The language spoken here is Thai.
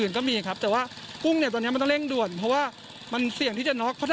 อย่างไรก็